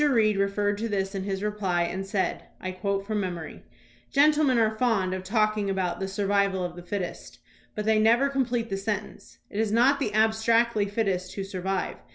Reed referred to this in his reply and said (I quote from memory) : Gentlemen are fond of talking about "the survival of the fittest," but they never complete the sentence. It is not the abstractly fittest who survive.